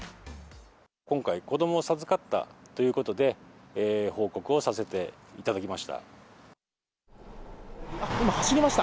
今回、子どもを授かったということで、報告をさせていただきました。